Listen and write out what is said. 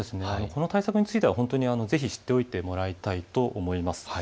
この対策についてはぜひ知っておいてもらいたいと思います。